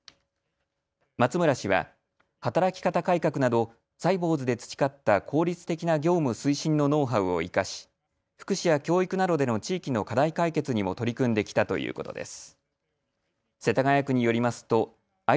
松村氏は働き方改革などサイボウズで培った効率的な業務推進のノウハウを生かし福祉や教育などでの地域の課題解決にも取り組んできたということです。